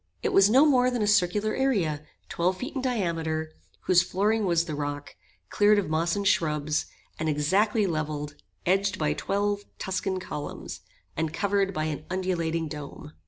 It was no more than a circular area, twelve feet in diameter, whose flooring was the rock, cleared of moss and shrubs, and exactly levelled, edged by twelve Tuscan columns, and covered by an undulating dome.